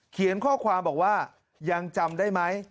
เขียนข้อความบอกว่ายังจำได้ไหม